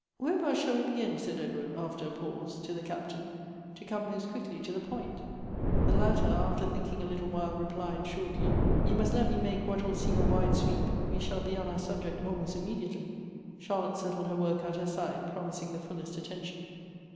" Whereabouts shall we begin," said Edward, after a pause, to the Captain, " to come most quickly to the point ?" The latter after thinking a little while, replied shortly ;" You must let me make what will seem a wide sweej), we shall be on our subject almost immediately." Charlotte settled her work at her side, promising the fullest attention.